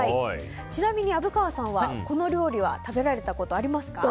ちなみに虻川さんは、この料理は食べられたことはありますか？